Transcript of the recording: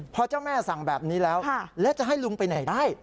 พอเจ้าแม่สั่งแบบนี้แล้วแล้วจะให้ลุงไปไหนได้